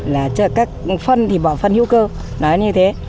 là các phân thì bỏ phân hữu cơ nói như thế